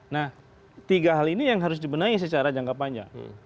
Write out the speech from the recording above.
nah tiga hal ini yang harus dibenahi secara jangka panjang